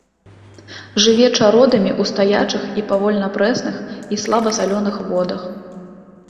Жыве чародамі ў стаячых і павольных прэсных і слаба салёных водах.